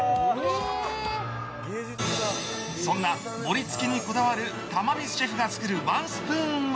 そんな盛り付けにこだわる玉水シェフが作るワンスプーンは。